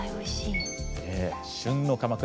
旬の鎌倉